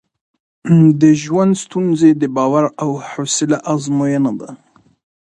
د ژوند ستونزې د باور او حوصله ازموینه ده.